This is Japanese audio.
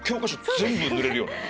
全部ぬれるよね。